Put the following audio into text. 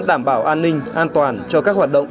đảm bảo an ninh an toàn cho các hoạt động